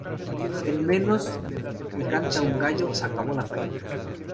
En menos que canta un gallo acabó la faena